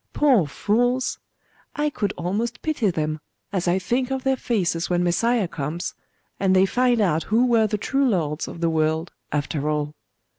Poor fools! I could almost pity them, as I think of their faces when Messiah comes, and they find out who were the true lords of the world, after all!....